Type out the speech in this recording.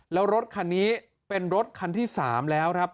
แล้วรถคันนี้เป็นรถคันที่๓แล้วครับ